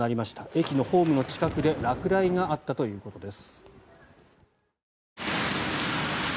駅のホームの近くで落雷があったということです。